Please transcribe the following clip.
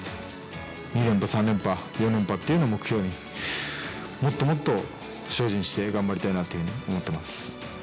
２連覇、３連覇、４連覇っていうのを目標に、もっともっと精進して頑張りたいなっていうふうに思ってます。